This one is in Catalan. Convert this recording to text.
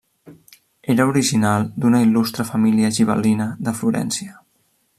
Era original d'una il·lustre família gibel·lina de Florència.